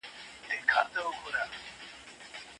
د حق خبره کول زړورتیا ده.